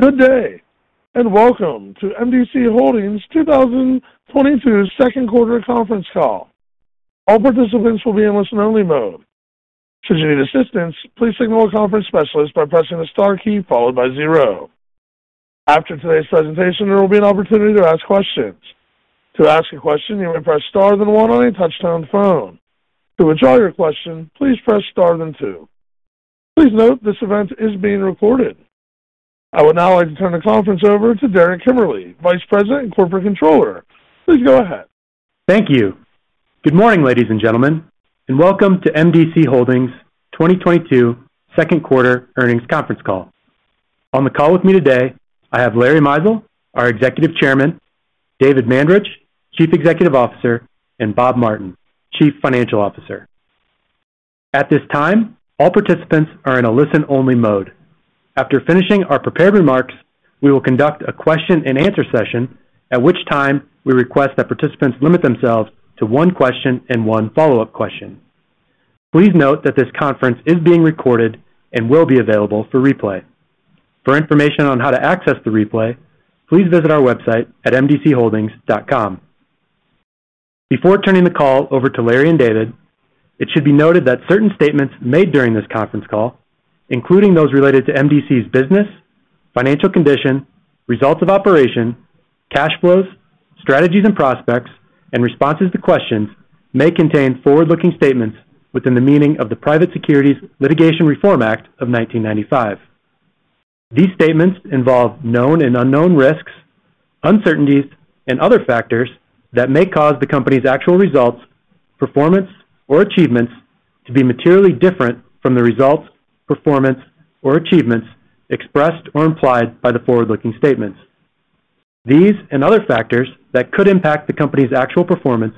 Good day, and welcome to M.D.C. Holdings 2022 Second Quarter Conference Call. All participants will be in listen-only mode. Should you need assistance, please signal a conference specialist by pressing the star key followed by zero. After today's presentation, there will be an opportunity to ask questions. To ask a question, you may press star then one on any touch-tone phone. To withdraw your question, please press star then two. Please note this event is being recorded. I would now like to turn the conference over to Derek Kimmerle, Vice President and Corporate Controller. Please go ahead. Thank you. Good morning, ladies and gentlemen, and welcome to M.D.C. Holdings 2022 second quarter earnings conference call. On the call with me today, I have Larry Mizel, our Executive Chairman, David Mandarich, Chief Executive Officer, and Bob Martin, Chief Financial Officer. At this time, all participants are in a listen-only mode. After finishing our prepared remarks, we will conduct a question-and-answer session at which time we request that participants limit themselves to one question and one follow-up question. Please note that this conference is being recorded and will be available for replay. For information on how to access the replay, please visit our website at mdcholdings.com. Before turning the call over to Larry and David, it should be noted that certain statements made during this conference call, including those related to MDC's business, financial condition, results of operations, cash flows, strategies and prospects, and responses to questions, may contain forward-looking statements within the meaning of the Private Securities Litigation Reform Act of 1995. These statements involve known and unknown risks, uncertainties, and other factors that may cause the company's actual results, performance, or achievements to be materially different from the results, performance, or achievements expressed or implied by the forward-looking statements. These and other factors that could impact the company's actual performance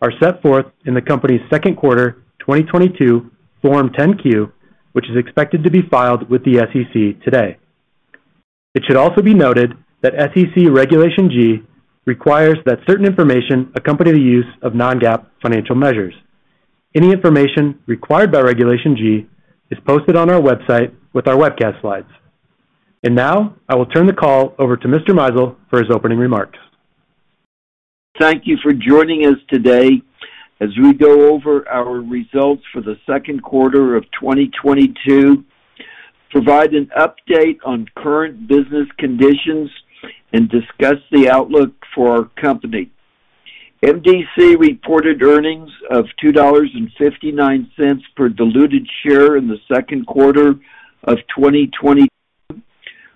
are set forth in the company's second quarter 2022 Form 10-Q, which is expected to be filed with the SEC today. It should also be noted that SEC Regulation G requires that certain information accompany the use of non-GAAP financial measures. Any information required by Regulation G is posted on our website with our webcast slides. Now I will turn the call over to Mr. Mizel for his opening remarks. Thank you for joining us today as we go over our results for the second quarter of 2022, provide an update on current business conditions, and discuss the outlook for our company. MDC reported earnings of $2.59 per diluted share in the second quarter of 2022,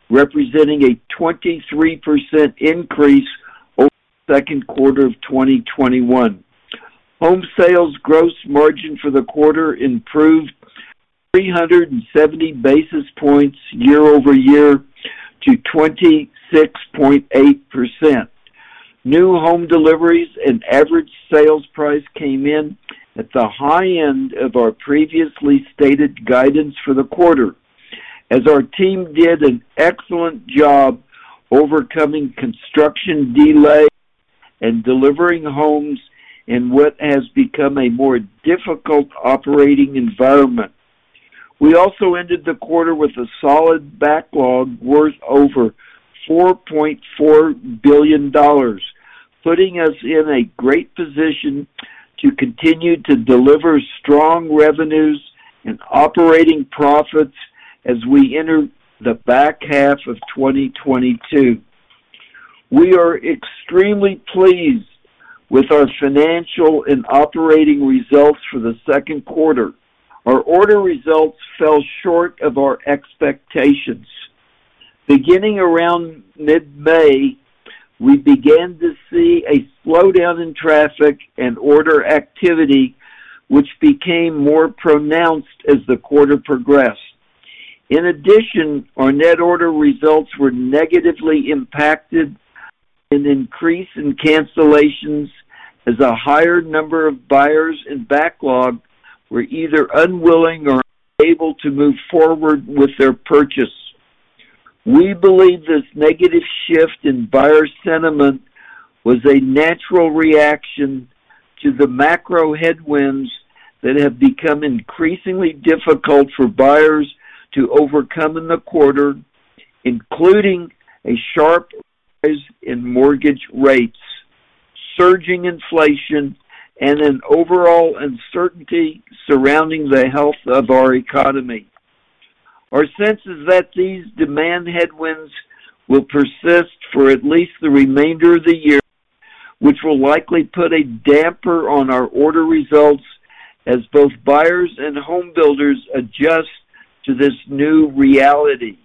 representing a 23% increase over the second quarter of 2021. Home sales gross margin for the quarter improved 370 basis points year over year to 26.8%. New home deliveries and average sales price came in at the high end of our previously stated guidance for the quarter as our team did an excellent job overcoming construction delays and delivering homes in what has become a more difficult operating environment. We also ended the quarter with a solid backlog worth over $4.4 billion, putting us in a great position to continue to deliver strong revenues and operating profits as we enter the back half of 2022. We are extremely pleased with our financial and operating results for the second quarter. Our order results fell short of our expectations. Beginning around mid-May, we began to see a slowdown in traffic and order activity, which became more pronounced as the quarter progressed. In addition, our net order results were negatively impacted by an increase in cancellations as a higher number of buyers in backlog were either unwilling or unable to move forward with their purchase. We believe this negative shift in buyer sentiment was a natural reaction to the macro headwinds that have become increasingly difficult for buyers to overcome in the quarter, including a sharp rise in mortgage rates, surging inflation, and an overall uncertainty surrounding the health of our economy. Our sense is that these demand headwinds will persist for at least the remainder of the year, which will likely put a damper on our order results as both buyers and home builders adjust to this new reality.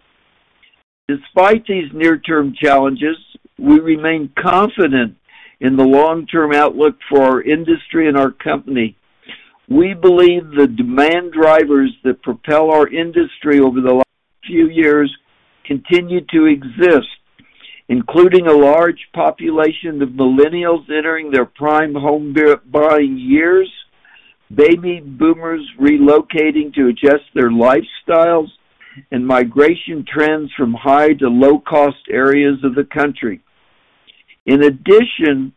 Despite these near-term challenges, we remain confident in the long-term outlook for our industry and our company. We believe the demand drivers that propel our industry over the last few years continue to exist, including a large population of millennials entering their prime home buying years, baby boomers relocating to adjust their lifestyles, and migration trends from high to low-cost areas of the country. In addition,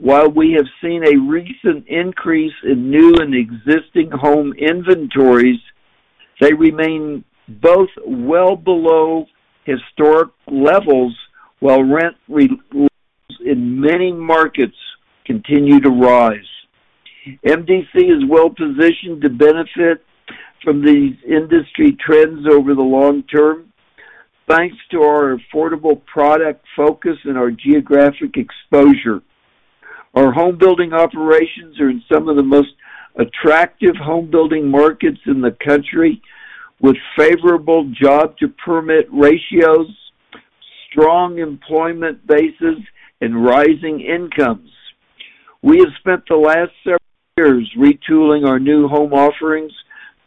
while we have seen a recent increase in new and existing home inventories, they remain both well below historic levels while rents remain low in many markets continue to rise. MDC is well positioned to benefit from these industry trends over the long term, thanks to our affordable product focus and our geographic exposure. Our homebuilding operations are in some of the most attractive homebuilding markets in the country, with favorable job-to-permit ratios, strong employment bases, and rising incomes. We have spent the last several years retooling our new home offerings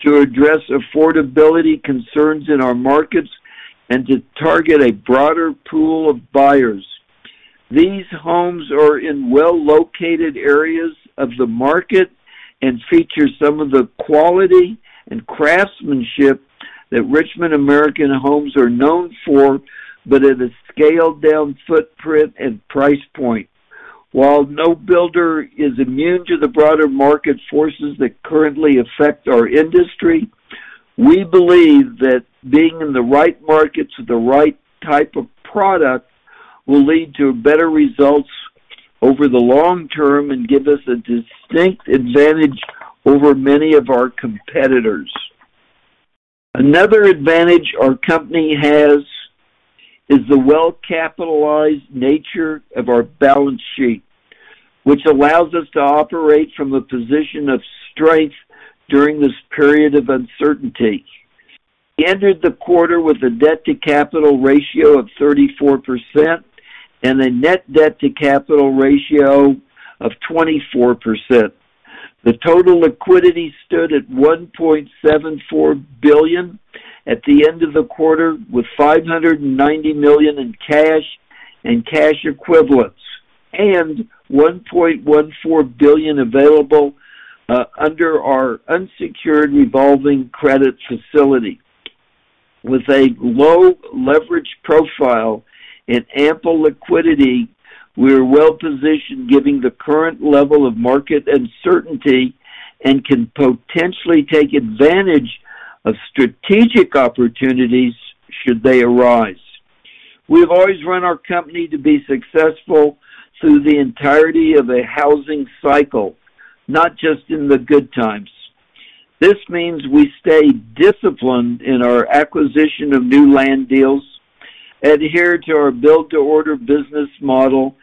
to address affordability concerns in our markets and to target a broader pool of buyers. These homes are in well-located areas of the market and feature some of the quality and craftsmanship that Richmond American Homes are known for, but at a scaled-down footprint and price point. While no builder is immune to the broader market forces that currently affect our industry, we believe that being in the right markets with the right type of product will lead to better results over the long term and give us a distinct advantage over many of our competitors. Another advantage our company has is the well-capitalized nature of our balance sheet, which allows us to operate from a position of strength during this period of uncertainty. We entered the quarter with a debt-to-capital ratio of 34% and a net debt-to-capital ratio of 24%. The total liquidity stood at $1.74 billion at the end of the quarter, with $590 million in cash and cash equivalents, and $1.14 billion available under our unsecured revolving credit facility. With a low leverage profile and ample liquidity, we're well-positioned given the current level of market uncertainty and can potentially take advantage of strategic opportunities should they arise. We've always run our company to be successful through the entirety of a housing cycle, not just in the good times. This means we stay disciplined in our acquisition of new land deals, adhere to our build-to-order business model,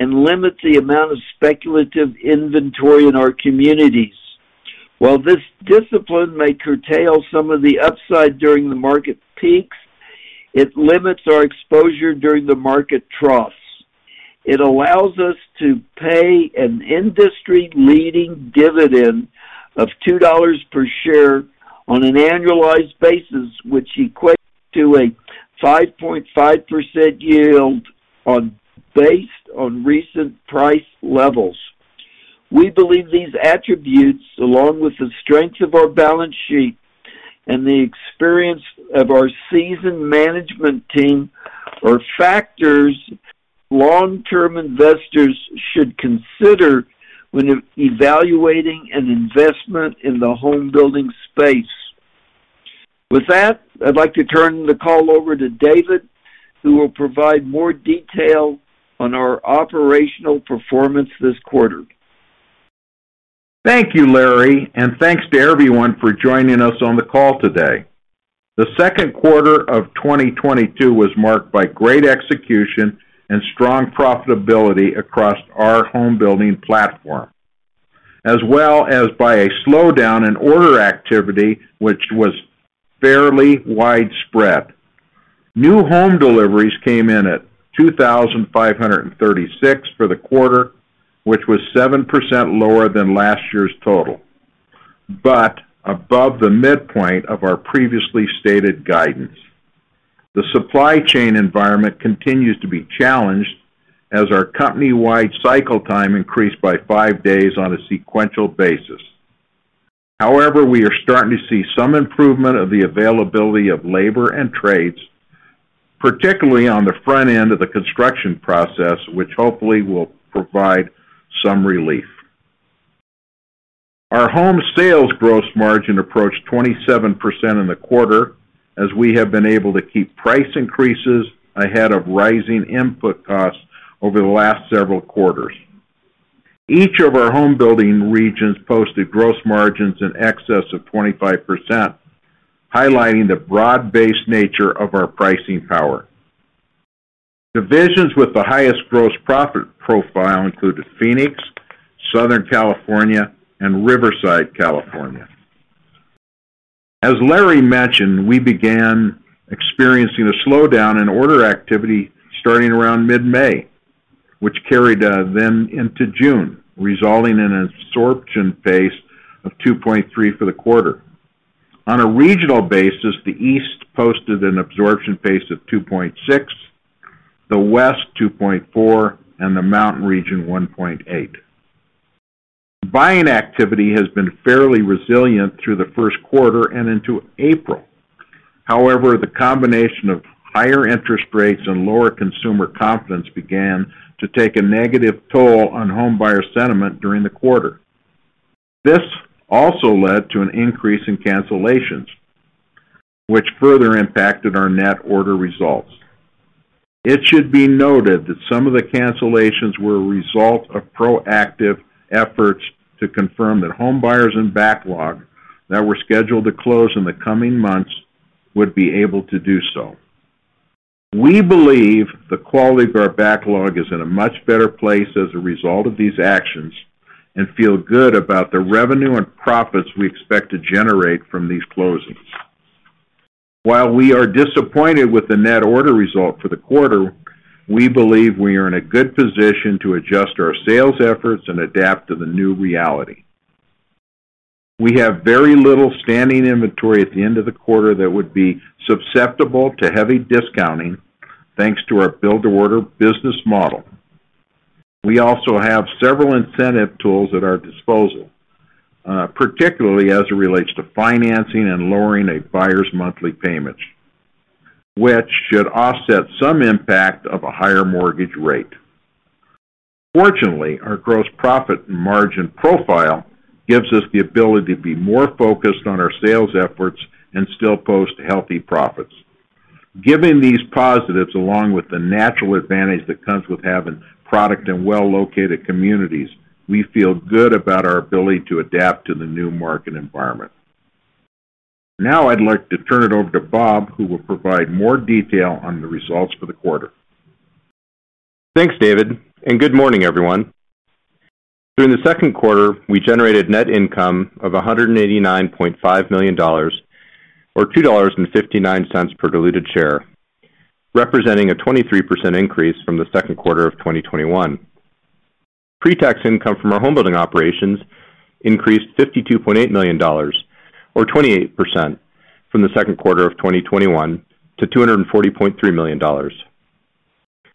and limit the amount of speculative inventory in our communities. While this discipline may curtail some of the upside during the market peaks, it limits our exposure during the market troughs. It allows us to pay an industry-leading dividend of $2 per share on an annualized basis, which equates to a 5.5% yield on based on recent price levels. We believe these attributes, along with the strength of our balance sheet and the experience of our seasoned management team, are factors long-term investors should consider when evaluating an investment in the homebuilding space. With that, I'd like to turn the call over to David, who will provide more detail on our operational performance this quarter. Thank you, Larry, and thanks to everyone for joining us on the call today. The second quarter of 2022 was marked by great execution and strong profitability across our homebuilding platform, as well as by a slowdown in order activity, which was fairly widespread. New home deliveries came in at 2,536 for the quarter, which was 7% lower than last year's total, but above the midpoint of our previously stated guidance. The supply chain environment continues to be challenged as our company-wide cycle time increased by five days on a sequential basis. However, we are starting to see some improvement of the availability of labor and trades, particularly on the front end of the construction process, which hopefully will provide some relief. Our home sales gross margin approached 27% in the quarter as we have been able to keep price increases ahead of rising input costs over the last several quarters. Each of our homebuilding regions posted gross margins in excess of 25%, highlighting the broad-based nature of our pricing power. Divisions with the highest gross profit profile included Phoenix, Southern California, and Riverside, California. As Larry mentioned, we began experiencing a slowdown in order activity starting around mid-May, which carried then into June, resulting in an absorption rate of 2.3 for the quarter. On a regional basis, the East posted an absorption rate of 2.6, the West 2.4, and the Mountain region 1.8. Buying activity has been fairly resilient through the first quarter and into April. However, the combination of higher interest rates and lower consumer confidence began to take a negative toll on home buyer sentiment during the quarter. This also led to an increase in cancellations, which further impacted our net order results. It should be noted that some of the cancellations were a result of proactive efforts to confirm that home buyers in backlog that were scheduled to close in the coming months would be able to do so. We believe the quality of our backlog is in a much better place as a result of these actions, and feel good about the revenue and profits we expect to generate from these closings. While we are disappointed with the net order result for the quarter, we believe we are in a good position to adjust our sales efforts and adapt to the new reality. We have very little standing inventory at the end of the quarter that would be susceptible to heavy discounting thanks to our build-to-order business model. We also have several incentive tools at our disposal, particularly as it relates to financing and lowering a buyer's monthly payments, which should offset some impact of a higher mortgage rate. Fortunately, our gross profit and margin profile gives us the ability to be more focused on our sales efforts and still post healthy profits. Given these positives, along with the natural advantage that comes with having product and well-located communities, we feel good about our ability to adapt to the new market environment. Now I'd like to turn it over to Bob, who will provide more detail on the results for the quarter. Thanks, David, and good morning, everyone. During the second quarter, we generated net income of $189.5 million or $2.59 per diluted share, representing a 23% increase from the second quarter of 2021. Pre-tax income from our homebuilding operations increased $52.8 million or 28% from the second quarter of 2021 to $240.3 million.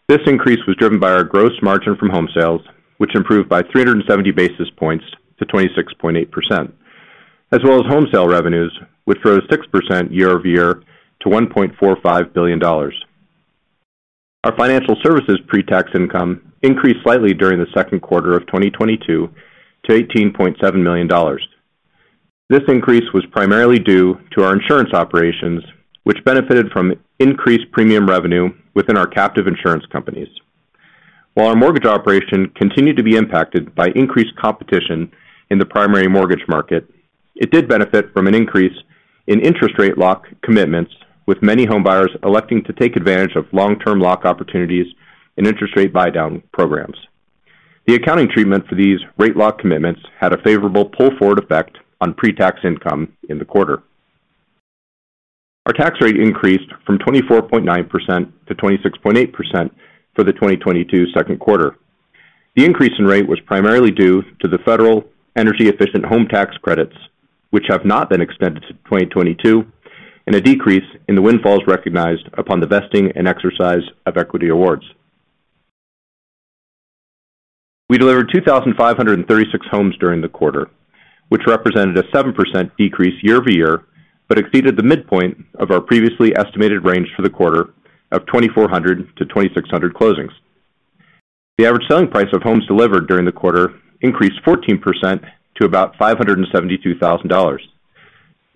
This increase was driven by our gross margin from home sales, which improved by 370 basis points to 26.8%, as well as home sale revenues, which rose 6% year-over-year to $1.45 billion. Our financial services pre-tax income increased slightly during the second quarter of 2022 to $18.7 million. This increase was primarily due to our insurance operations, which benefited from increased premium revenue within our captive insurance companies. While our mortgage operation continued to be impacted by increased competition in the primary mortgage market, it did benefit from an increase in interest rate lock commitments, with many homebuyers electing to take advantage of long-term lock opportunities and interest rate buydown programs. The accounting treatment for these rate lock commitments had a favorable pull-forward effect on pre-tax income in the quarter. Our tax rate increased from 24.9%-26.8% for the 2022 second quarter. The increase in rate was primarily due to the federal energy efficient home tax credits, which have not been extended to 2022, and a decrease in the windfalls recognized upon the vesting and exercise of equity awards. We delivered 2,536 homes during the quarter, which represented a 7% decrease year-over-year, but exceeded the midpoint of our previously estimated range for the quarter of 2,400-2,600 closings. The average selling price of homes delivered during the quarter increased 14% to about $572,000.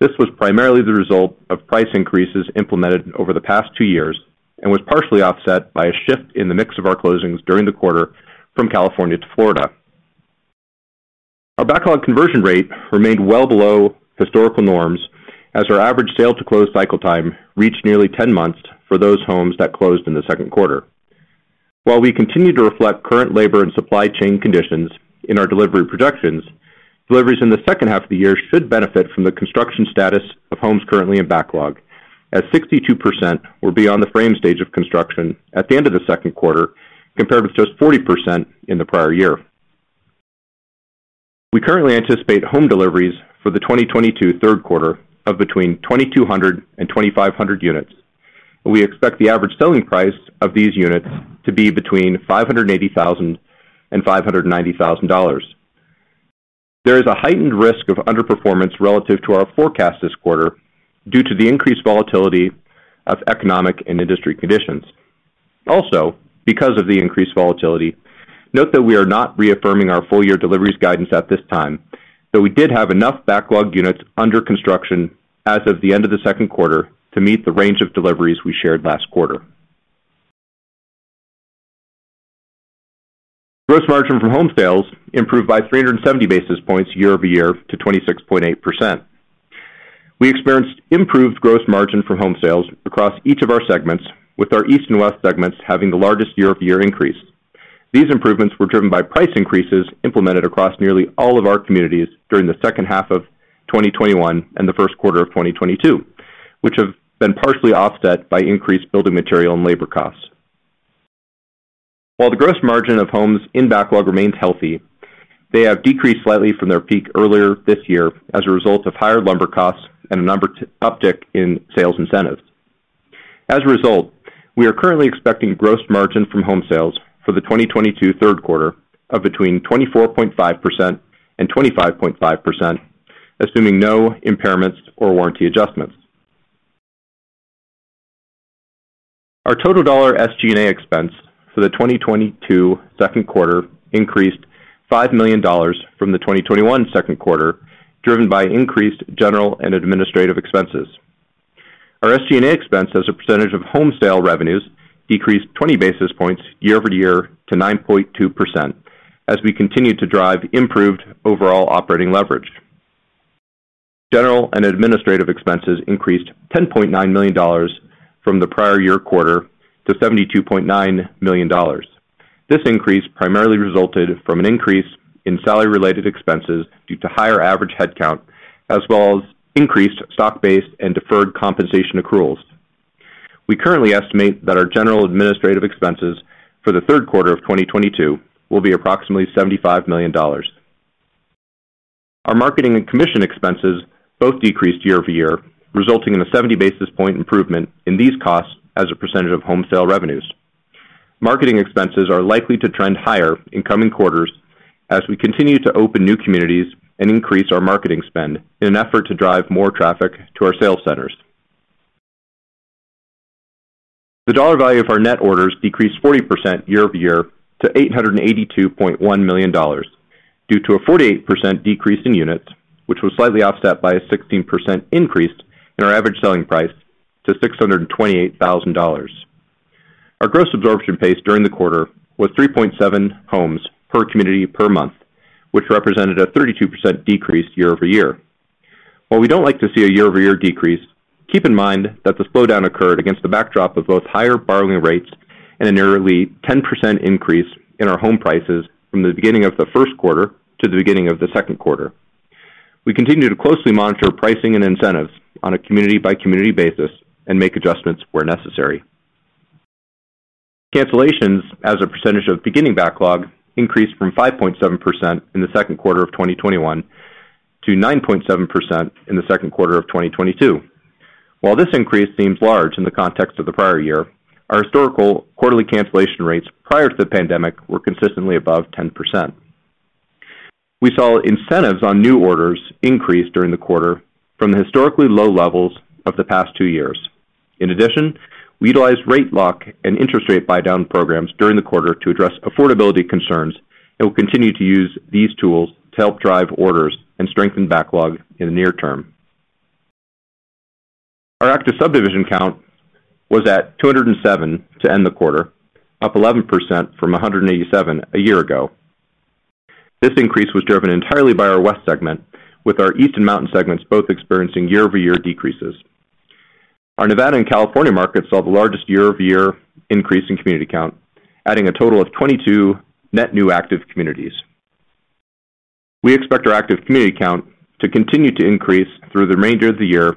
This was primarily the result of price increases implemented over the past two years and was partially offset by a shift in the mix of our closings during the quarter from California to Florida. Our backlog conversion rate remained well below historical norms as our average sale to close cycle time reached nearly 10 months for those homes that closed in the second quarter. While we continue to reflect current labor and supply chain conditions in our delivery projections, deliveries in the second half of the year should benefit from the construction status of homes currently in backlog as 62% were beyond the frame stage of construction at the end of the second quarter, compared with just 40% in the prior year. We currently anticipate home deliveries for the 2022 third quarter of between 2,200 and 2,500 units. We expect the average selling price of these units to be between $580,000 and $590,000. There is a heightened risk of underperformance relative to our forecast this quarter due to the increased volatility of economic and industry conditions. Because of the increased volatility, note that we are not reaffirming our full year deliveries guidance at this time, though we did have enough backlog units under construction as of the end of the second quarter to meet the range of deliveries we shared last quarter. Gross margin from home sales improved by 370 basis points year-over-year to 26.8%. We experienced improved gross margin from home sales across each of our segments with our East and West segments having the largest year-over-year increase. These improvements were driven by price increases implemented across nearly all of our communities during the second half of 2021 and the first quarter of 2022, which have been partially offset by increased building material and labor costs. While the gross margin of homes in backlog remains healthy, they have decreased slightly from their peak earlier this year as a result of higher lumber costs and an uptick in sales incentives. As a result, we are currently expecting gross margin from home sales for the 2022 third quarter of between 24.5% and 25.5%, assuming no impairments or warranty adjustments. Our total dollar SG&A expense for the 2022 second quarter increased $5 million from the 2021 second quarter, driven by increased general and administrative expenses. Our SG&A expense as a percentage of home sale revenues decreased 20 basis points year-over-year to 9.2% as we continued to drive improved overall operating leverage. General and administrative expenses increased $10.9 million from the prior year quarter to $72.9 million. This increase primarily resulted from an increase in salary related expenses due to higher average headcount, as well as increased stock-based and deferred compensation accruals. We currently estimate that our general administrative expenses for the third quarter of 2022 will be approximately $75 million. Our marketing and commission expenses both decreased year-over-year, resulting in a 70 basis point improvement in these costs as a percentage of home sale revenues. Marketing expenses are likely to trend higher in coming quarters as we continue to open new communities and increase our marketing spend in an effort to drive more traffic to our sales centers. The dollar value of our net orders decreased 40% year-over-year to $882.1 million, due to a 48% decrease in units, which was slightly offset by a 16% increase in our average selling price to $628,000. Our gross absorption pace during the quarter was 3.7 homes per community per month, which represented a 32% decrease year-over-year. While we don't like to see a year-over-year decrease, keep in mind that the slowdown occurred against the backdrop of both higher borrowing rates and a nearly 10% increase in our home prices from the beginning of the first quarter to the beginning of the second quarter. We continue to closely monitor pricing and incentives on a community by community basis and make adjustments where necessary. Cancellations as a percentage of beginning backlog increased from 5.7% in the second quarter of 2021 to 9.7% in the second quarter of 2022. While this increase seems large in the context of the prior year, our historical quarterly cancellation rates prior to the pandemic were consistently above 10%. We saw incentives on new orders increase during the quarter from the historically low levels of the past two years. In addition, we utilized rate lock and interest rate buydown programs during the quarter to address affordability concerns, and we'll continue to use these tools to help drive orders and strengthen backlog in the near term. Our active subdivision count was at 207 to end the quarter, up 11% from 187 a year-ago. This increase was driven entirely by our West segment, with our east and mountain segments both experiencing year-over-year decreases. Our Nevada and California markets saw the largest year-over-year increase in community count, adding a total of 22 net new active communities. We expect our active community count to continue to increase through the remainder of the year,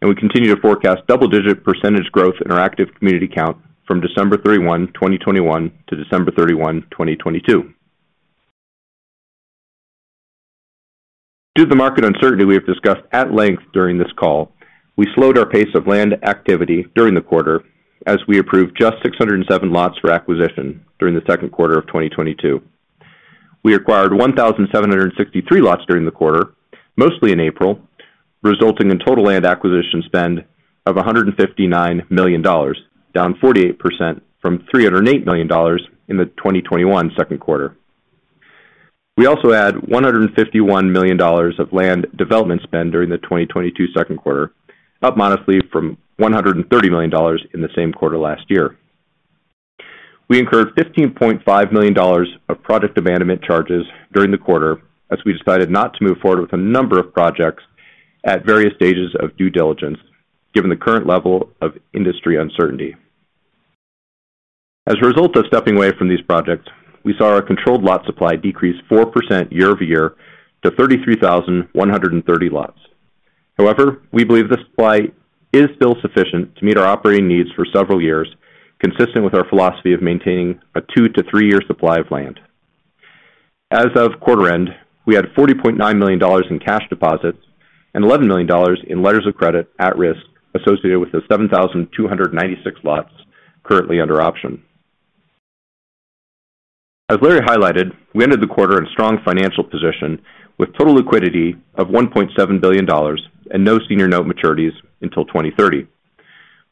and we continue to forecast double-digit % growth in our active community count from December 31, 2021 to December 31, 2022. Due to the market uncertainty we have discussed at length during this call, we slowed our pace of land activity during the quarter as we approved just 607 lots for acquisition during the second quarter of 2022. We acquired 1,763 lots during the quarter, mostly in April, resulting in total land acquisition spend of $159 million, down 48% from $308 million in the 2021 second quarter. We also had $151 million of land development spend during the 2022 second quarter, up modestly from $130 million in the same quarter last year. We incurred $15.5 million of project abandonment charges during the quarter as we decided not to move forward with a number of projects at various stages of due diligence, given the current level of industry uncertainty. As a result of stepping away from these projects, we saw our controlled lot supply decrease 4% year-over-year to 33,130 lots. However, we believe this supply is still sufficient to meet our operating needs for several years, consistent with our philosophy of maintaining a two to three year supply of land. As of quarter end, we had $40.9 million in cash deposits and $11 million in letters of credit at risk associated with the 7,296 lots currently under option. As Larry highlighted, we ended the quarter in strong financial position, with total liquidity of $1.7 billion and no senior note maturities until 2030.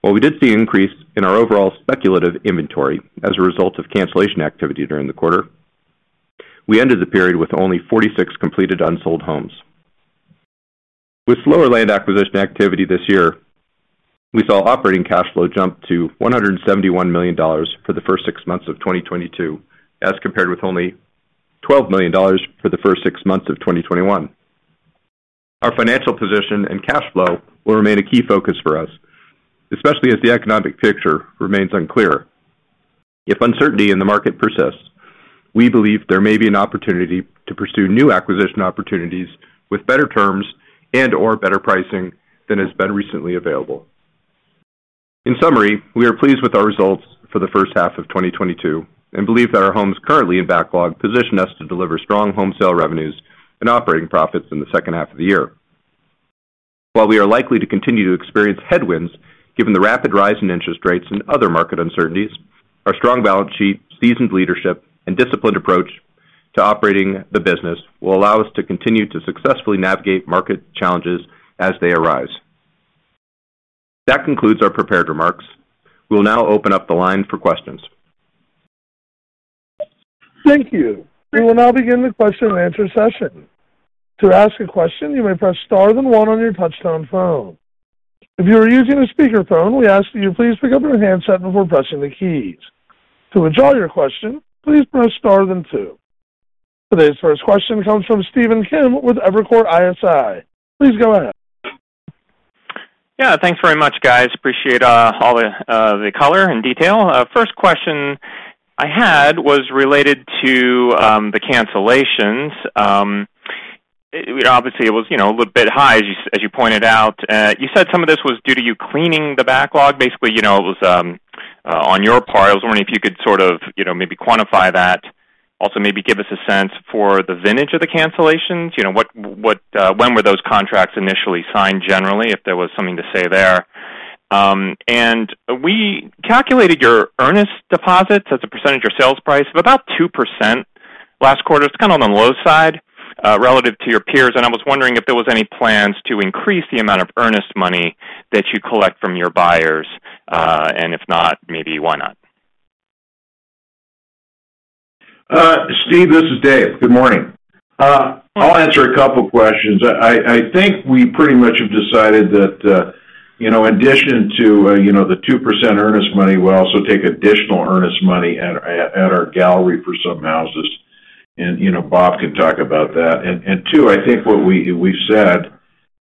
While we did see an increase in our overall speculative inventory as a result of cancellation activity during the quarter, we ended the period with only 46 completed unsold homes. With slower land acquisition activity this year, we saw operating cash flow jump to $171 million for the first six months of 2022, as compared with only $12 million for the first six months of 2021. Our financial position and cash flow will remain a key focus for us, especially as the economic picture remains unclear. If uncertainty in the market persists, we believe there may be an opportunity to pursue new acquisition opportunities with better terms and/or better pricing than has been recently available. In summary, we are pleased with our results for the first half of 2022 and believe that our homes currently in backlog position us to deliver strong home sale revenues. Operating profits in the second half of the year. While we are likely to continue to experience headwinds, given the rapid rise in interest rates and other market uncertainties, our strong balance sheet, seasoned leadership, and disciplined approach to operating the business will allow us to continue to successfully navigate market challenges as they arise. That concludes our prepared remarks. We'll now open up the line for questions. Thank you. We will now begin the question and answer session. To ask a question, you may press star then one on your touchtone phone. If you are using a speakerphone, we ask that you please pick up your handset before pressing the keys. To withdraw your question, please press star then two. Today's first question comes from Stephen Kim with Evercore ISI. Please go ahead. Yeah, thanks very much, guys. Appreciate all the color and detail. First question I had was related to the cancellations. Obviously, it was, you know, a little bit high, as you pointed out. You said some of this was due to you cleaning the backlog, basically, you know, it was on your part. I was wondering if you could sort of, you know, maybe quantify that. Also maybe give us a sense for the vintage of the cancellations. You know, what when were those contracts initially signed, generally, if there was something to say there. We calculated your earnest deposits as a percentage of sales price of about 2% last quarter. It's kind of on the low side, relative to your peers. I was wondering if there was any plans to increase the amount of earnest money that you collect from your buyers. If not, maybe why not? Steven, this is Dave. Good morning. I'll answer a couple questions. I think we pretty much have decided that, you know, in addition to, you know, the 2% earnest money, we'll also take additional earnest money at our gallery for some houses. You know, Bob can talk about that. Two, I think what we've said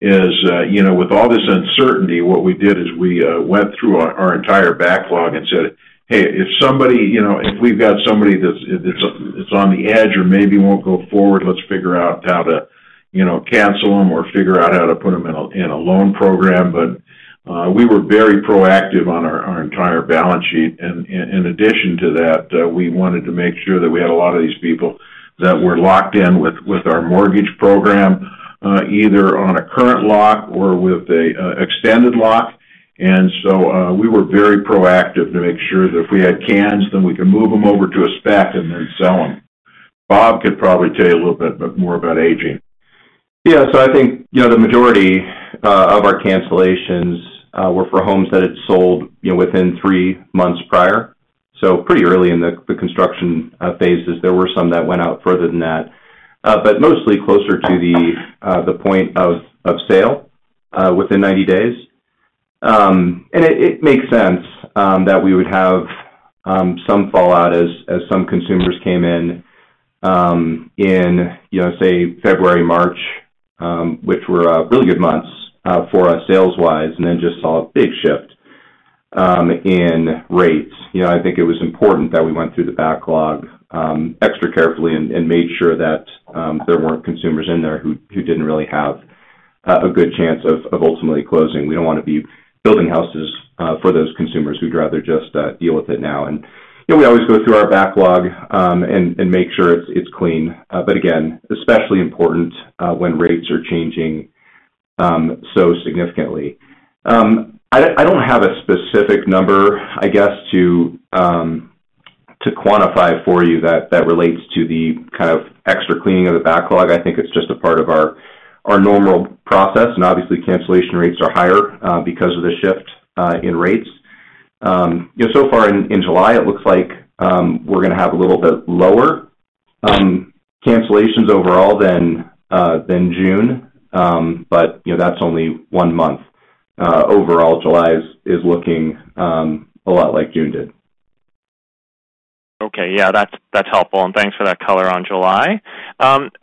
is, you know, with all this uncertainty, what we did is we went through our entire backlog and said, "Hey, if somebody, you know, if we've got somebody that's on the edge or maybe won't go forward, let's figure out how to, you know, cancel them or figure out how to put them in a loan program." We were very proactive on our entire balance sheet. In addition to that, we wanted to make sure that we had a lot of these people that were locked in with our mortgage program, either on a current lock or with a extended lock. We were very proactive to make sure that if we had cans, then we could move them over to a spec and then sell them. Bob could probably tell you a little bit more about aging. Yeah. I think, you know, the majority of our cancellations were for homes that had sold, you know, within three months prior, so pretty early in the construction phases. There were some that went out further than that, but mostly closer to the point of sale within 90 days. It makes sense that we would have some fallout as some consumers came in, you know, say February, March, which were really good months for us sales-wise, and then just saw a big shift in rates. You know, I think it was important that we went through the backlog extra carefully and made sure that there weren't consumers in there who didn't really have a good chance of ultimately closing. We don't wanna be building houses for those consumers. We'd rather just deal with it now. You know, we always go through our backlog and make sure it's clean. But again, especially important when rates are changing so significantly. I don't have a specific number, I guess, to quantify for you that relates to the kind of extra cleaning of the backlog. I think it's just a part of our normal process, and obviously, cancellation rates are higher because of the shift in rates. You know, so far in July, it looks like we're gonna have a little bit lower cancellations overall than June, but you know, that's only one month. Overall, July is looking a lot like June did. Okay. Yeah. That's helpful, and thanks for that color on July.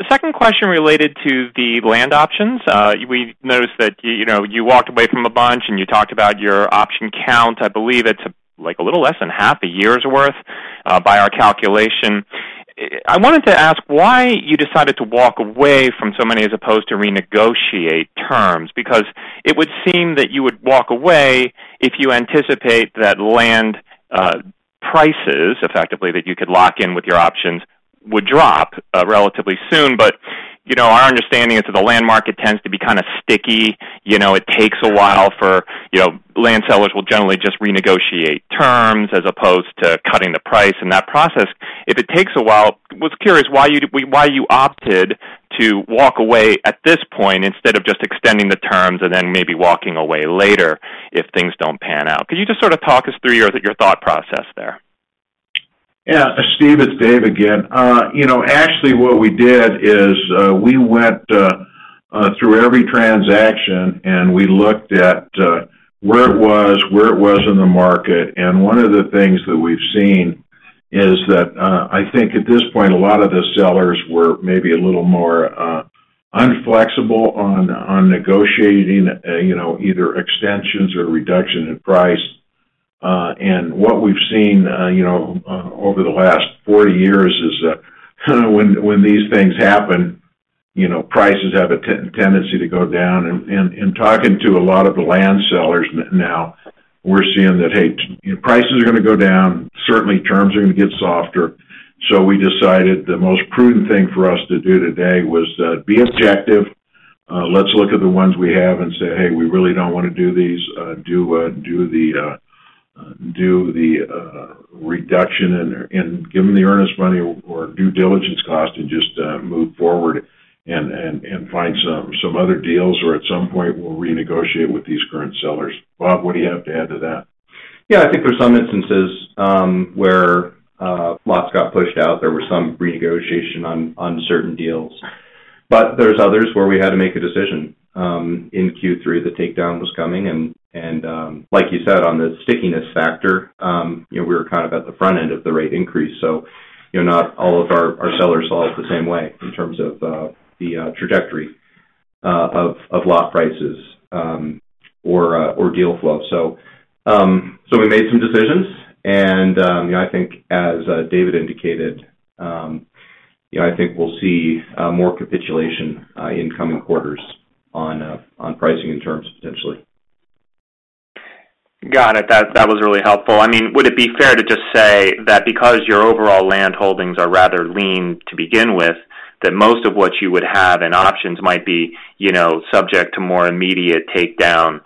Second question related to the land options. We've noticed that you know, you walked away from a bunch, and you talked about your option count. I believe it's like, a little less than half a year's worth, by our calculation. I wanted to ask why you decided to walk away from so many, as opposed to renegotiate terms, because it would seem that you would walk away if you anticipate that land prices, effectively, that you could lock in with your options, would drop relatively soon. But, you know, our understanding is that the land market tends to be kind of sticky. You know, it takes a while. Land sellers will generally just renegotiate terms as opposed to cutting the price in that process. If it takes a while, was curious why you opted to walk away at this point instead of just extending the terms and then maybe walking away later if things don't pan out. Could you just sort of talk us through your thought process there? Yeah. Steve, it's Dave again. You know, actually, what we did is we went through every transaction, and we looked at where it was in the market. One of the things that we've seen is that I think at this point, a lot of the sellers were maybe a little more inflexible on negotiating, you know, either extensions or reduction in price. What we've seen, you know, over the last 40 years is that when these things happen, you know, prices have a tendency to go down. In talking to a lot of the land sellers now, we're seeing that, hey, prices are gonna go down. Certainly, terms are gonna get softer. We decided the most prudent thing for us to do today was be objective. Let's look at the ones we have and say, "Hey, we really don't wanna do these. Do the reduction and give them the earnest money or due diligence cost and just move forward and find some other deals, or at some point we'll renegotiate with these current sellers." Bob, what do you have to add to that? Yeah, I think there's some instances where lots got pushed out. There were some renegotiation on certain deals. There's others where we had to make a decision. In Q3, the takedown was coming and like you said, on the stickiness factor, you know, we were kind of at the front end of the rate increase, so, you know, not all of our sellers saw it the same way in terms of the trajectory of lot prices or deal flow. We made some decisions and you know, I think as David indicated, you know, I think we'll see more capitulation in coming quarters on pricing and terms potentially. Got it. That was really helpful. I mean, would it be fair to just say that because your overall land holdings are rather lean to begin with, that most of what you would have in options might be, you know, subject to more immediate takedown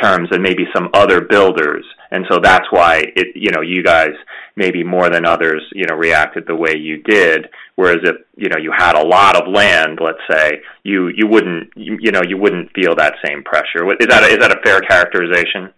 terms than maybe some other builders. That's why it you know, you guys, maybe more than others, you know, reacted the way you did. Whereas if, you know, you had a lot of land, let's say, you wouldn't, you know, you wouldn't feel that same pressure. Is that a fair characterization?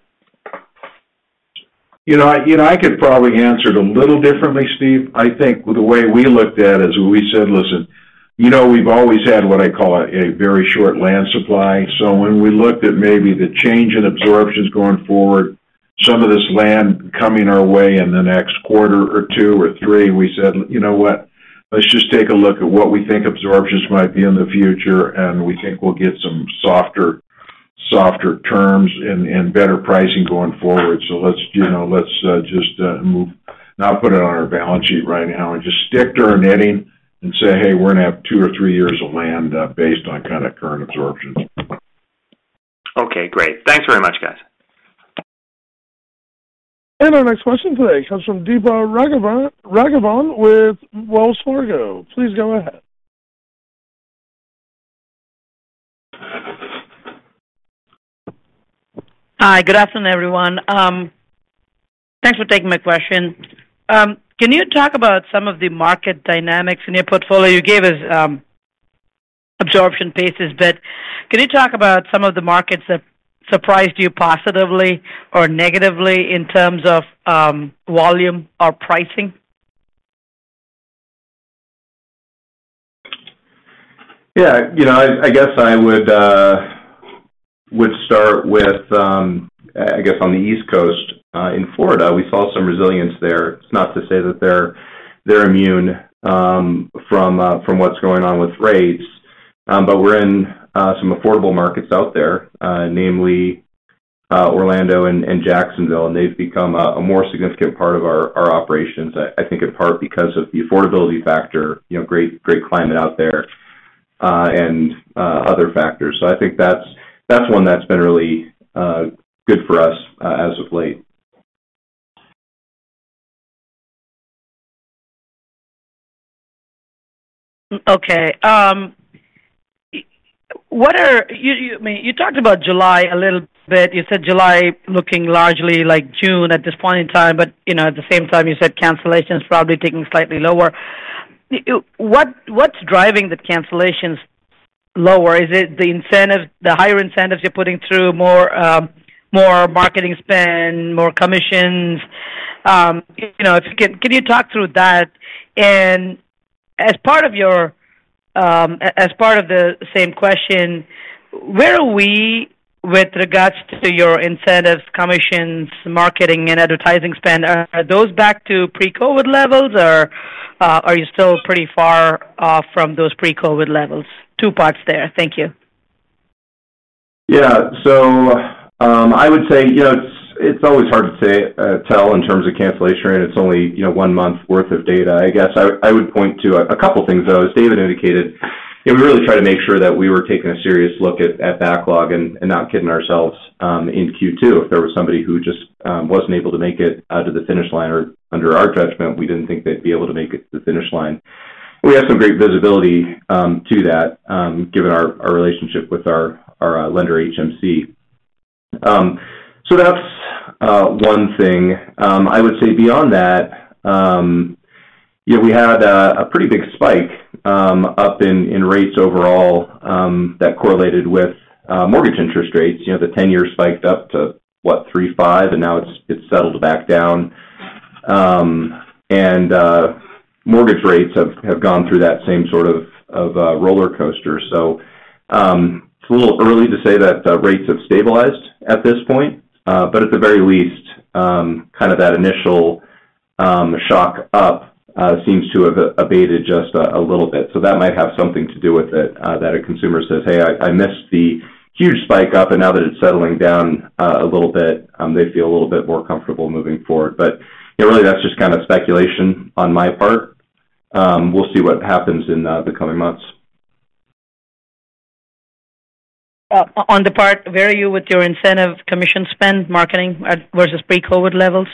You know, I could probably answer it a little differently, Steve. I think the way we looked at it is we said, "Listen, you know, we've always had what I call a very short land supply." When we looked at maybe the change in absorptions going forward, some of this land coming our way in the next quarter or two or three, we said, "You know what? Let's just take a look at what we think absorptions might be in the future, and we think we'll get some softer terms and better pricing going forward. So let's, you know, just not put it on our balance sheet right now and just stick to our netting and say, "Hey, we're gonna have two or three years of land based on kinda current absorptions." Okay, great. Thanks very much, guys. Our next question today comes from Deepa Raghavan with Wells Fargo. Please go ahead. Hi, good afternoon, everyone. Thanks for taking my question. Can you talk about some of the market dynamics in your portfolio? You gave us, absorption paces, but can you talk about some of the markets that surprised you positively or negatively in terms of, volume or pricing? Yeah. You know, I guess I would start with I guess on the East Coast. In Florida, we saw some resilience there. It's not to say that they're immune from what's going on with rates. We're in some affordable markets out there, namely, Orlando and Jacksonville, and they've become a more significant part of our operations. I think in part because of the affordability factor, you know, great climate out there, and other factors. I think that's one that's been really good for us as of late. Okay. I mean, you talked about July a little bit. You said July looking largely like June at this point in time, but you know, at the same time you said cancellation's probably ticking slightly lower. What, what's driving the cancellations lower? Is it the incentives, the higher incentives you're putting through more marketing spend, more commissions? You know, can you talk through that? And as part of your, as part of the same question, where are we with regards to your incentives, commissions, marketing and advertising spend? Are those back to pre-COVID levels, or are you still pretty far from those pre-COVID levels? Two parts there. Thank you. Yeah. I would say, you know, it's always hard to say tell in terms of cancellation rate. It's only, you know, one month worth of data, I guess. I would point to a couple things, though. As David indicated, you know, we really try to make sure that we were taking a serious look at backlog and not kidding ourselves in Q2 if there was somebody who just wasn't able to make it to the finish line or under our judgment, we didn't think they'd be able to make it to the finish line. We have some great visibility to that given our relationship with our lender, HMC. That's one thing. I would say beyond that, you know, we had a pretty big spike up in rates overall that correlated with mortgage interest rates. You know, the 10-year spiked up to, what, three, five, and now it's settled back down. Mortgage rates have gone through that same sort of roller coaster. It's a little early to say that rates have stabilized at this point. But at the very least, kind of that initial shock up seems to have abated just a little bit. That might have something to do with it, that a consumer says, "Hey, I missed the huge spike up," and now that it's settling down a little bit, they feel a little bit more comfortable moving forward. Really that's just kind of speculation on my part. We'll see what happens in the coming months. On the part, where are you with your incentive commission spend marketing at versus pre-COVID levels?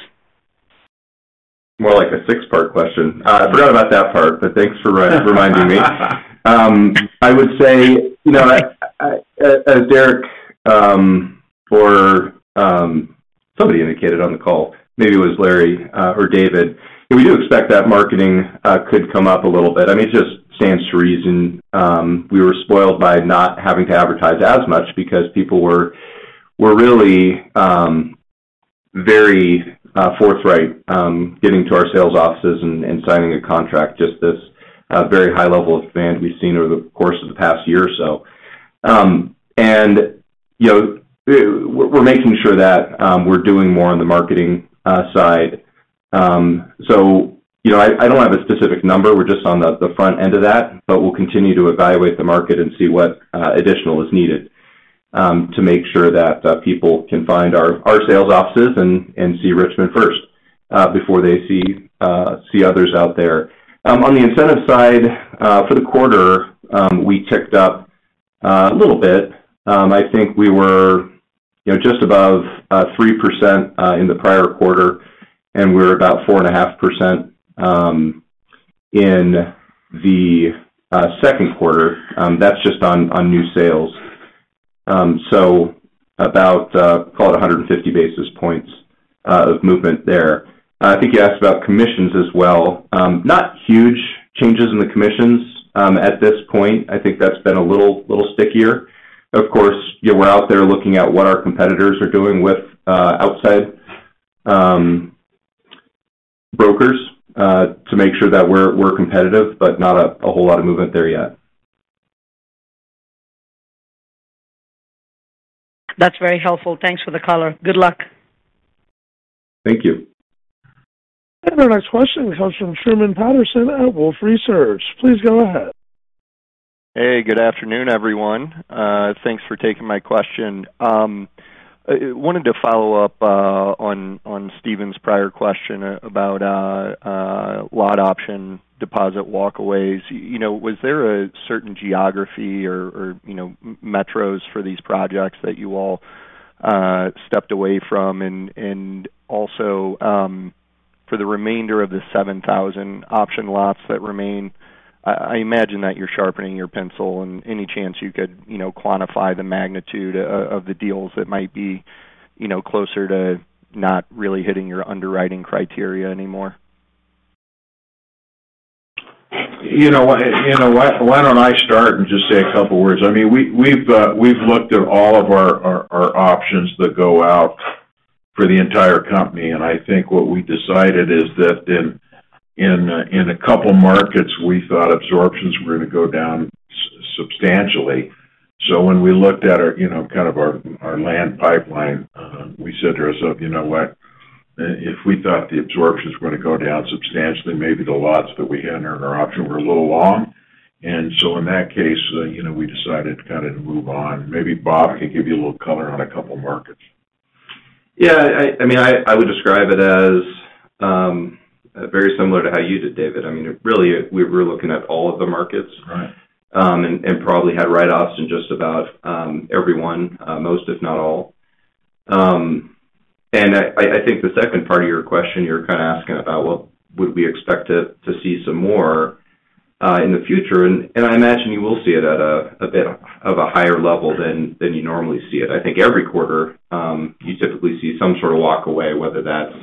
More like a six-part question. Forgot about that part, but thanks for re-reminding me. I would say, you know, as Derek or somebody indicated on the call, maybe it was Larry or David, we do expect that marketing could come up a little bit. I mean, it just stands to reason, we were spoiled by not having to advertise as much because people were really very forthright getting to our sales offices and signing a contract, just this very high level of demand we've seen over the course of the past year or so. You know, we're making sure that we're doing more on the marketing side. You know, I don't have a specific number. We're just on the front end of that, but we'll continue to evaluate the market and see what additional is needed to make sure that people can find our sales offices and see Richmond first before they see others out there. On the incentive side for the quarter, we ticked up a little bit. I think we were, you know, just above 3% in the prior quarter, and we're about 4.5% in the second quarter. That's just on new sales. About call it 150 basis points of movement there. I think you asked about commissions as well. Not huge changes in the commissions at this point. I think that's been a little stickier. Of course, you we're out there looking at what our competitors are doing with outside brokers to make sure that we're competitive, but not a whole lot of movement there yet. That's very helpful. Thanks for the color. Good luck. Thank you. Our next question comes from Truman Patterson at Wolfe Research. Please go ahead. Hey, good afternoon, everyone. Thanks for taking my question. Wanted to follow-up on Stephen's prior question about lot option deposit walkaways. You know, was there a certain geography or you know, Metros for these projects that you all stepped away from? And also, for the remainder of the 7,000 option lots that remain, I imagine that you're sharpening your pencil and any chance you could, you know, quantify the magnitude of the deals that might be, you know, closer to not really hitting your underwriting criteria anymore. You know what, why don't I start and just say a couple words. I mean, we've looked at all of our options that go out for the entire company, and I think what we decided is that in a couple markets, we thought absorptions were gonna go down substantially. When we looked at our, you know, kind of our land pipeline, we said to ourselves, "You know what? If we thought the absorption is gonna go down substantially, maybe the lots that we had under our option were a little long." In that case, you know, we decided to kind of move on. Maybe Bob could give you a little color on a couple markets. Yeah. I mean, I would describe it as very similar to how you did, David. I mean, really, we're looking at all of the markets. Right. Probably had write-offs in just about every one, most, if not all. I think the second part of your question, you're kinda asking about well, would we expect to see some more in the future? I imagine you will see it at a bit of a higher level than you normally see it. I think every quarter you typically see some sort of walkaway, whether that's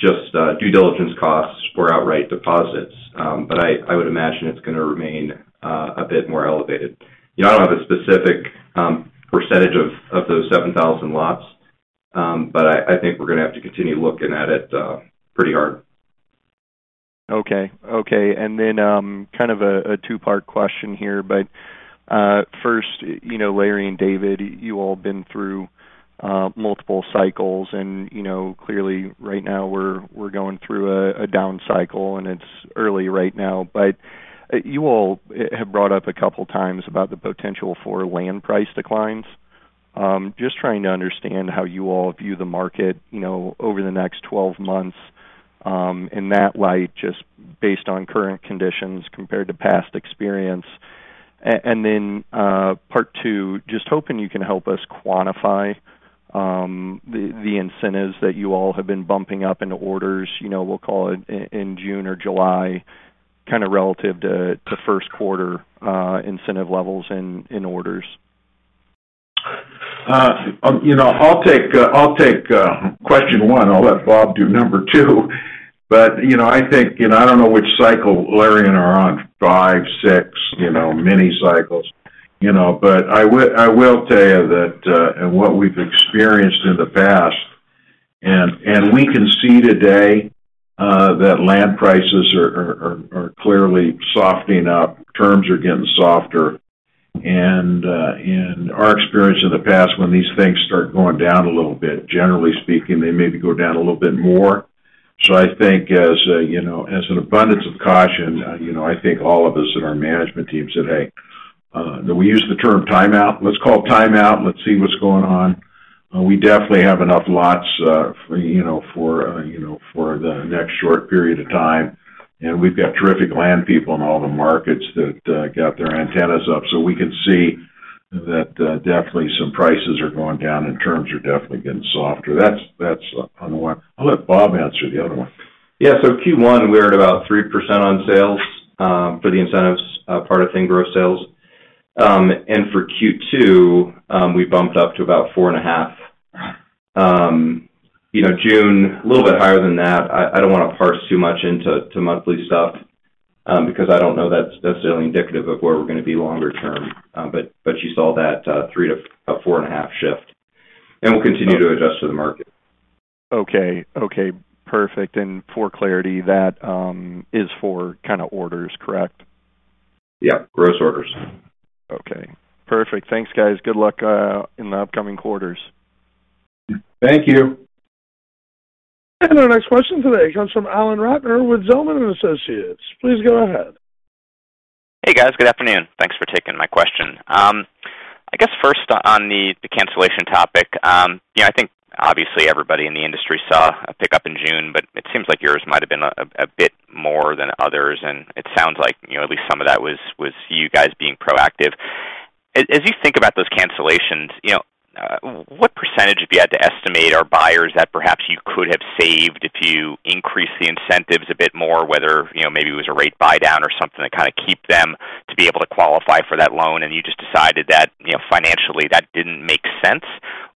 just due diligence costs or outright deposits. But I would imagine it's gonna remain a bit more elevated. You know, I don't have a specific percentage of those 7,000 lots, but I think we're gonna have to continue looking at it pretty hard. Okay. Kind of a two-part question here, but first, you know, Larry and David, you all been through multiple cycles and, you know, clearly right now we're going through a down cycle, and it's early right now, but you all have brought up a couple times about the potential for land price declines. Just trying to understand how you all view the market, you know, over the next 12 months, in that light, just based on current conditions compared to past experience. Part two, just hoping you can help us quantify the incentives that you all have been bumping up into orders, you know, we'll call it in June or July, kinda relative to first quarter incentive levels in orders. You know, I'll take question one. I'll let Bob do number two. You know, I think, you know, I don't know which cycle Larry and I are on, five, six, you know, many cycles, you know. I will tell you that, and what we've experienced in the past, and we can see today, that land prices are clearly softening up, terms are getting softer. In our experience in the past, when these things start going down a little bit, generally speaking, they maybe go down a little bit more. I think as, you know, as an abundance of caution, you know, I think all of us in our management team said, "Hey, do we use the term timeout? Let's call timeout. Let's see what's going on." We definitely have enough lots for, you know, for the next short period of time. We've got terrific land people in all the markets that got their antennas up, so we can see. That, definitely some prices are going down and terms are definitely getting softer. That's on the one. I'll let Bob answer the other one. Yeah. Q1, we're at about 3% on sales for the incentives part of gross sales. For Q2, we bumped up to about 4.5%. You know, June, a little bit higher than that. I don't wanna parse too much into monthly stuff because I don't know that's indicative of where we're gonna be longer term. But you saw that 3%-4.5% shift, and we'll continue to adjust to the market. Okay. Okay, perfect. For clarity, that is for kinda orders, correct? Yeah. Gross orders. Okay. Perfect. Thanks, guys. Good luck in the upcoming quarters. Thank you. Our next question today comes from Alan Ratner with Zelman & Associates. Please go ahead. Hey, guys. Good afternoon. Thanks for taking my question. I guess first on the cancellation topic, you know, I think obviously everybody in the industry saw a pickup in June, but it seems like yours might have been a bit more than others, and it sounds like, you know, at least some of that was you guys being proactive. As you think about those cancellations, you know, what percentage, if you had to estimate, are buyers that perhaps you could have saved if you increase the incentives a bit more, whether, you know, maybe it was a rate buydown or something to kinda keep them to be able to qualify for that loan and you just decided that, you know, financially, that didn't make sense?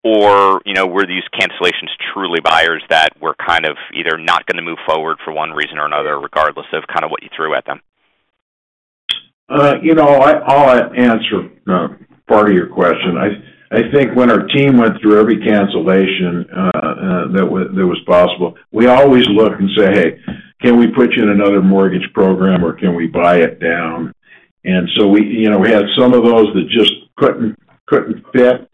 You know, were these cancellations truly buyers that were kind of either not gonna move forward for one reason or another, regardless of kinda what you threw at them? You know, I'll answer part of your question. I think when our team went through every cancellation that was possible, we always look and say, "Hey, can we put you in another mortgage program or can we buy it down?" We, you know, we had some of those that just couldn't fit.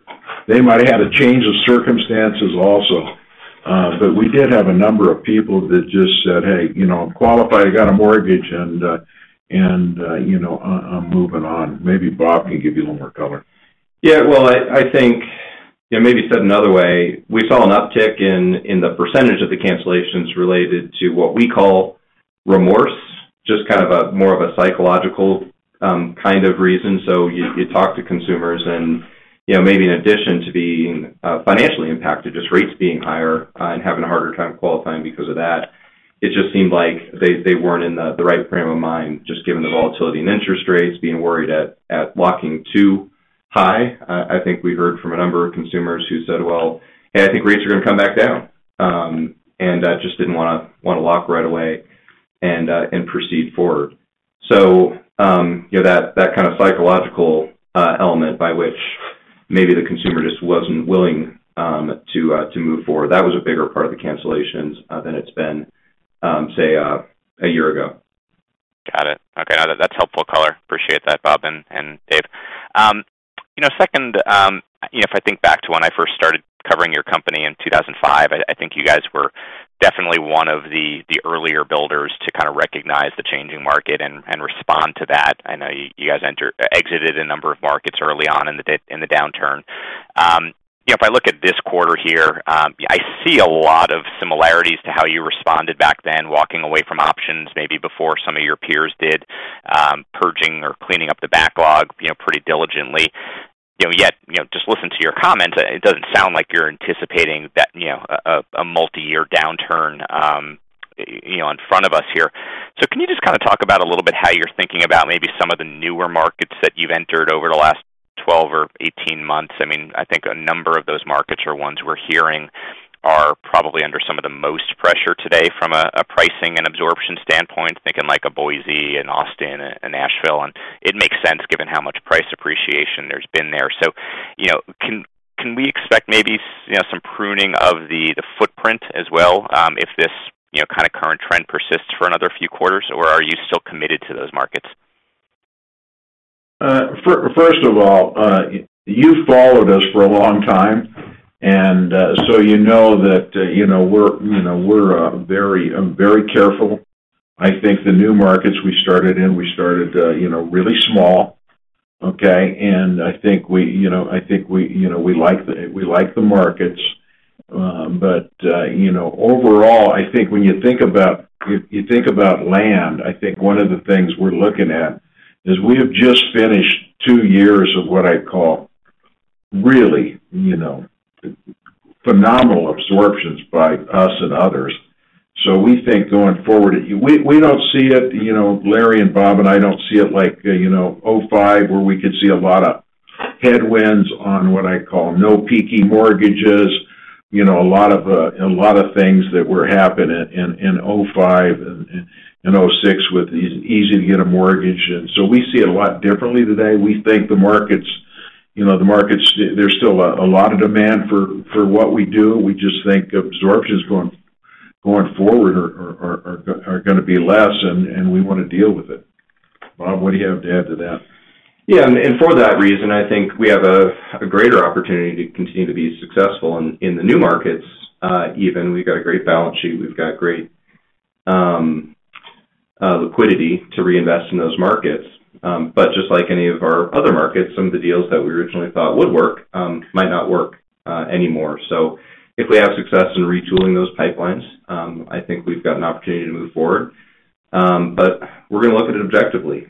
They might have had a change of circumstances also. But we did have a number of people that just said, "Hey, you know, I'm qualified, I got a mortgage, and you know, I'm moving on." Maybe Bob can give you a little more color. Yeah. Well, I think, yeah, maybe said another way, we saw an uptick in the percentage of the cancellations related to what we call remorse, just kind of a more of a psychological kind of reason. You talk to consumers and, you know, maybe in addition to being financially impacted, just rates being higher and having a harder time qualifying because of that, it just seemed like they weren't in the right frame of mind, just given the volatility and interest rates, being worried at locking too high. I think we heard from a number of consumers who said, "Well, hey, I think rates are gonna come back down," and just didn't wanna lock right away and proceed forward. You know, that kind of psychological element by which maybe the consumer just wasn't willing to move forward, that was a bigger part of the cancellations than it's been, say, a year ago. Got it. Okay. No, that's helpful color. Appreciate that, Bob and Dave. You know, second, you know, if I think back to when I first started covering your company in 2005, I think you guys were definitely one of the earlier builders to kinda recognize the changing market and respond to that. I know you guys exited a number of markets early on in the downturn. You know, if I look at this quarter here, I see a lot of similarities to how you responded back then, walking away from options maybe before some of your peers did, purging or cleaning up the backlog, you know, pretty diligently yet. You know, just listening to your comments, it doesn't sound like you're anticipating that, you know, a multi-year downturn in front of us here. Can you just kinda talk about a little bit how you're thinking about maybe some of the newer markets that you've entered over the last 12 or 18 months? I mean, I think a number of those markets are ones we're hearing are probably under some of the most pressure today from a pricing and absorption standpoint, thinking like a Boise and Austin and Nashville, and it makes sense given how much price appreciation there's been there. You know, can we expect maybe, you know, some pruning of the footprint as well, if this, you know, kinda current trend persists for another few quarters, or are you still committed to those markets? First of all, you followed us for a long time, so you know that, you know, we're very careful. I think the new markets we started in, we started really small, okay? I think we like the markets. But overall, I think when you think about land, one of the things we're looking at is we have just finished two years of what I'd call really phenomenal absorptions by us and others. We think going forward we don't see it, you know, Larry Mizel and Bob Martin and I don't see it like 2005, where we could see a lot of headwinds on what I call non-prime mortgages. You know, a lot of things that were happening in 2005 and 2006 with it easy to get a mortgage. We see it a lot differently today. We think the markets, you know, the markets, there's still a lot of demand for what we do. We just think absorptions going forward are gonna be less, and we wanna deal with it. Bob, what do you have to add to that? Yeah. For that reason, I think we have a greater opportunity to continue to be successful in the new markets. Even we've got a great balance sheet, we've got great liquidity to reinvest in those markets. Just like any of our other markets, some of the deals that we originally thought would work might not work anymore. If we have success in retooling those pipelines, I think we've got an opportunity to move forward. We're gonna look at it objectively.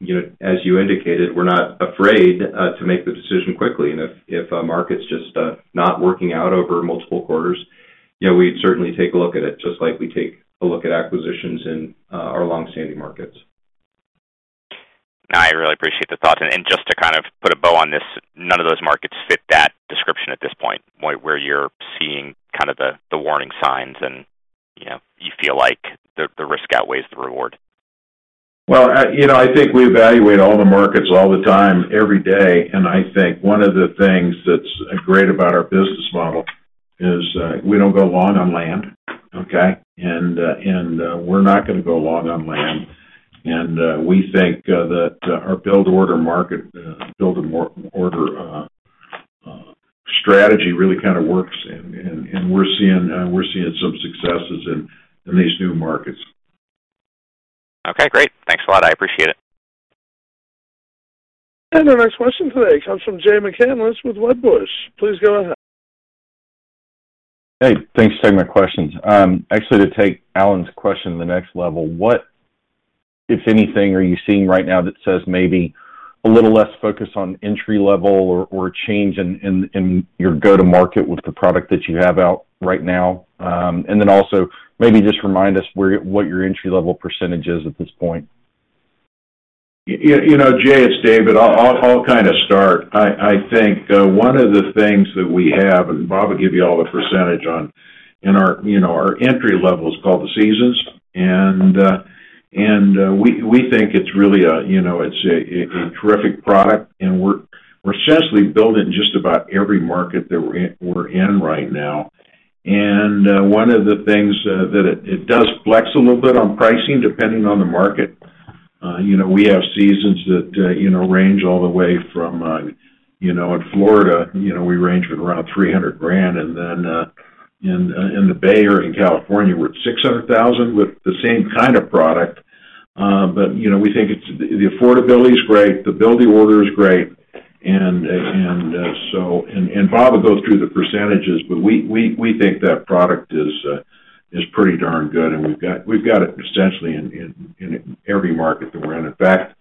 You know, as you indicated, we're not afraid to make the decision quickly. If a market's just not working out over multiple quarters, you know, we'd certainly take a look at it, just like we take a look at acquisitions in our long-standing markets. No, I really appreciate the thoughts. Just to kind of put a bow on this, none of those markets fit that description at this point, where you're seeing kind of the warning signs and, you know, you feel like the risk outweighs the reward. Well, you know, I think we evaluate all the markets all the time, every day, and I think one of the things that's great about our business model is we don't go long on land, okay? We're not gonna go long on land. We think that our build-to-order strategy really kind of works. We're seeing some successes in these new markets. Okay, great. Thanks a lot. I appreciate it. Our next question today comes from Jay McCanless with Wedbush. Please go ahead. Hey, thanks for taking my questions. Actually, to take Alan's question to the next level, what, if anything, are you seeing right now that says maybe a little less focus on entry-level or change in your go-to-market with the product that you have out right now? Also maybe just remind us what your entry-level percentage is at this point. You know, Jay, it's David. I'll kind of start. I think one of the things that we have, and Bob will give you all the percentage on in our, you know, our entry level is called the Seasons. We think it's really a, you know, it's a terrific product, and we're essentially building just about every market that we're in right now. One of the things that it does flex a little bit on pricing depending on the market. You know, we have Seasons that range all the way from in Florida, you know, we range from around $300,000. Then in the Bay Area in California, we're at $600,000 with the same kind of product. You know, we think the affordability is great, the build-to-order is great, and so Bob will go through the percentages, but we think that product is pretty darn good. We've got it essentially in every market that we're in. In fact,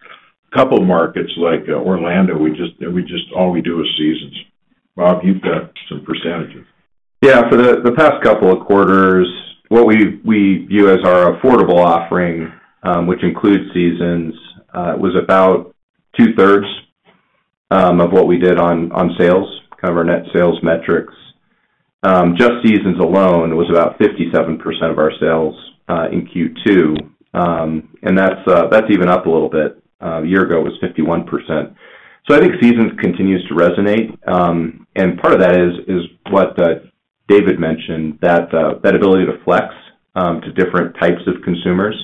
a couple markets like Orlando, all we do is Seasons. Bob, you've got some percentages. Yeah. For the past couple of quarters, what we view as our affordable offering, which includes Seasons, was about two-thirds of what we did on sales, kind of our net sales metrics. Just Seasons alone was about 57% of our sales in Q2. That's even up a little bit. A year ago, it was 51%. I think Seasons continues to resonate. Part of that is what David mentioned, that ability to flex to different types of consumers.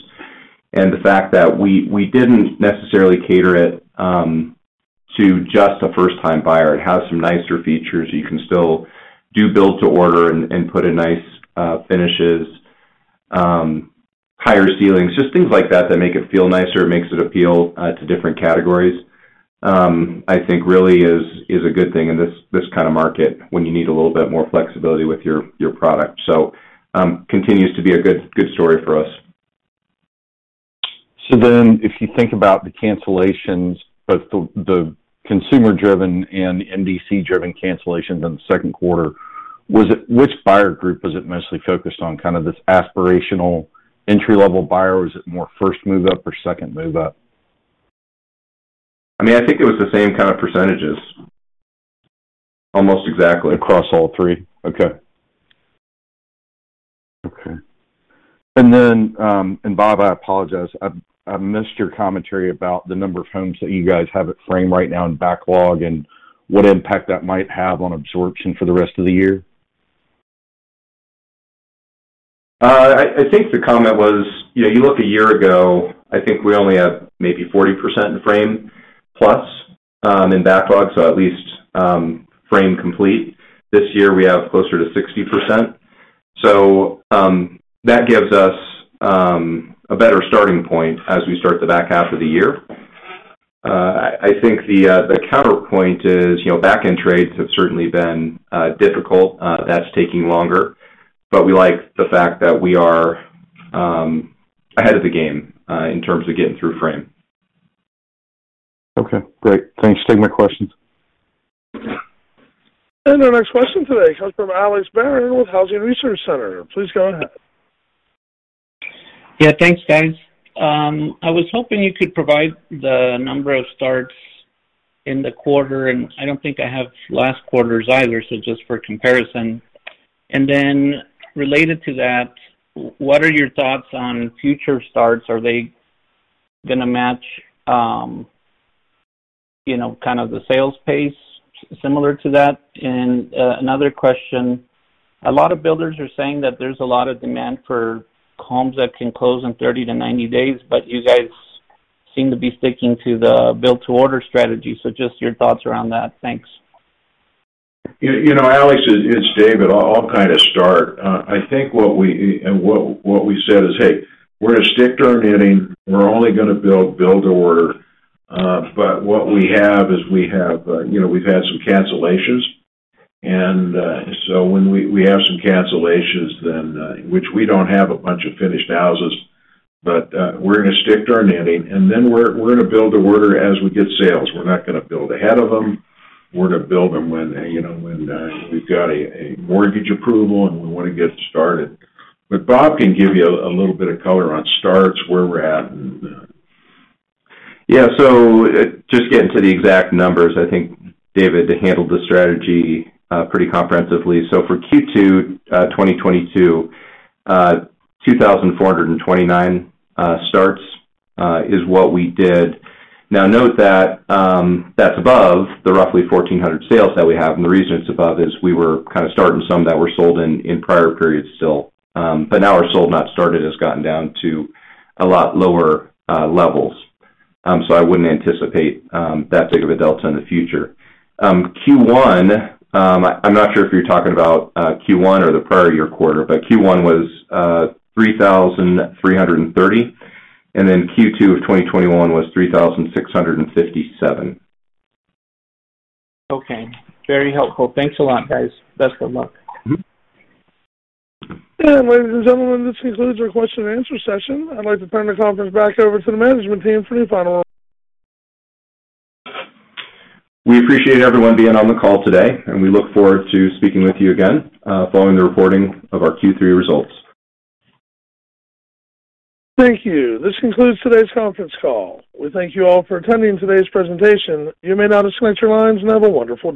The fact that we didn't necessarily cater it to just a first-time buyer. It has some nicer features. You can still do build-to-order and put in nice finishes, higher ceilings, just things like that that make it feel nicer. It makes it appeal to different categories. I think it really is a good thing in this kind of market when you need a little bit more flexibility with your product. It continues to be a good story for us. If you think about the cancellations, both the consumer-driven and MDC-driven cancellations in the second quarter, which buyer group was it mostly focused on, kind of this aspirational entry-level buyer, or was it more first move up or second move up? I mean, I think it was the same kind of percentages. Almost exactly. Across all three? Okay. Okay. Bob, I apologize. I missed your commentary about the number of homes that you guys have at frame right now in backlog and what impact that might have on absorption for the rest of the year. I think the comment was, you know, you look a year ago, I think we only had maybe 40% in frame plus in backlog, so at least frame complete. This year, we have closer to 60%. That gives us a better starting point as we start the back half of the year. I think the counterpoint is, you know, back-end trades have certainly been difficult, that's taking longer. We like the fact that we are ahead of the game in terms of getting through frame. Okay, great. Thanks for taking my questions. Our next question today comes from Alex Barron with Housing Research Center. Please go ahead. Yeah. Thanks, guys. I was hoping you could provide the number of starts in the quarter, and I don't think I have last quarter's either, so just for comparison. Then related to that, what are your thoughts on future starts? Are they gonna match, you know, kind of the sales pace similar to that? Another question, a lot of builders are saying that there's a lot of demand for homes that can close in 30 to 90 days, but you guys seem to be sticking to the build-to-order strategy. Just your thoughts around that. Thanks. You know, Alex, it's David. I'll kind of start. I think what we said is, "Hey, we're gonna stick to our knitting. We're only gonna build to order. What we have is, you know, we've had some cancellations. When we have some cancellations then, which we don't have a bunch of finished houses, but we're gonna stick to our knitting, and then we're gonna build to order as we get sales. We're not gonna build ahead of them. We're gonna build them when, you know, when we've got a mortgage approval, and we wanna get started. Bob can give you a little bit of color on starts, where we're at. Yeah. Just getting to the exact numbers, I think David handled the strategy pretty comprehensively. For Q2 2022, 2,429 starts is what we did. Now, note that's above the roughly 1,400 sales that we have. The reason it's above is we were kind of starting some that were sold in prior periods still. Now our sold not started has gotten down to a lot lower levels. I wouldn't anticipate that big of a delta in the future. Q1, I'm not sure if you're talking about Q1 or the prior year quarter, but Q1 was 3,330, and then Q2 of 2021 was 3,657. Okay. Very helpful. Thanks a lot, guys. Best of luck. Ladies and gentlemen, this concludes our question and answer session. I'd like to turn the conference back over to the management team for any final remarks. We appreciate everyone being on the call today, and we look forward to speaking with you again, following the reporting of our Q3 results. Thank you. This concludes today's conference call. We thank you all for attending today's presentation. You may now disconnect your lines and have a wonderful day.